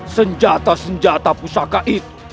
senjata senjata pusaka itu